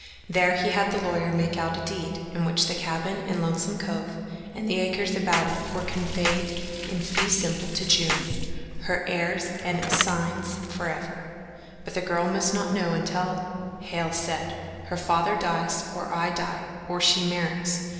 There he had the lawyer make out a deed in which the cabin in Lonesome Cove and the acres about it were conveyed in fee simple to June her heirs and assigns forever; but the girl must not know until, Hale said, "her father dies, or I die, or she marries."